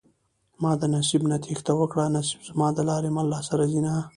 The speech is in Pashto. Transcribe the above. ما د نصيب نه تېښته وکړه نصيب زما د لارې مل راسره ځينه